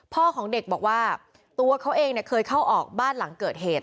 พ่อของเด็กบอกว่าตัวเขาเองเคยเข้าออกบ้านหลังเกิดเหตุ